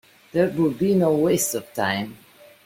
There would be no waste of time.